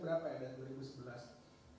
dari emas lainnya berapa ya dari dua ribu sebelas